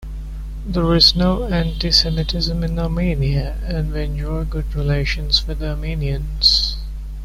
There is no anti-Semitism in Armenia, and we enjoy good relations with the Armenians.